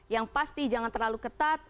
yang pasti jangan terlalu ketat